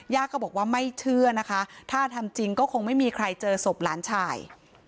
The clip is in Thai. ก็บอกว่าไม่เชื่อนะคะถ้าทำจริงก็คงไม่มีใครเจอศพหลานชาย